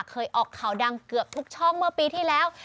เคยออกข่าวดังเกือบทุกช่องเมื่อปีที่แล้ว